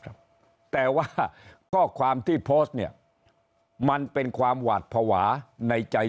ครับแต่ว่าข้อความที่โพสต์เนี่ยมันเป็นความหวาดภาวะในใจ